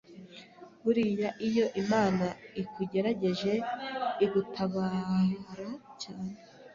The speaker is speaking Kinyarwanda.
Buriya iyo Imana ikugerageje igutabara cyane